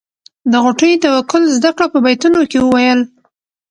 د غوټۍ توکل زده کړه په بیتونو کې وویل.